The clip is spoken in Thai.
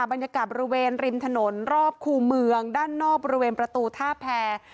บรรยากาศบริเวณริมถนนรอบคู่เมืองด้านนอกบริเวณประตูท่าแพร